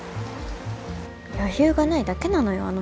余裕がないだけなのよ